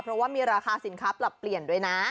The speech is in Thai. เพราะว่ามีราคาสินค้าปรับเปลี่ยนด้วยนะ